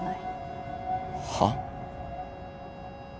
はっ？